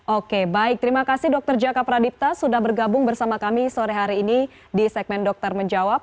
oke baik terima kasih dokter jaka pradipta sudah bergabung bersama kami sore hari ini di segmen dokter menjawab